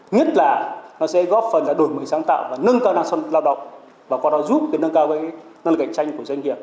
nhất là nó sẽ góp phần là đổi mới sáng tạo và nâng cao năng suất lao động và qua đó giúp nâng cao năng lực cạnh tranh của doanh nghiệp